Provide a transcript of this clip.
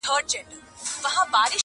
په امان له هر مرضه په تن جوړ ؤ,